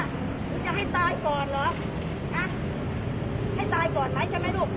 หนูจะให้ตายก่อนเหรอให้ตายก่อนไหมใช่ไหมลูก